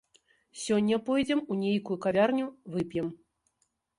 Сёння пойдзем у нейкую кавярню вып'ем.